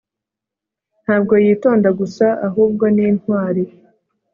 Ntabwo yitonda gusa ahubwo ni intwari